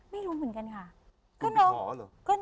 ไม่รู้เหมือนกันค่ะ